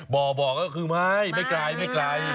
บอบอกก็คือไม่ไม่ไกลไม่